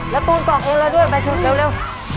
แล้วตูนตอบเองเลยด้วยเร็วเร็ว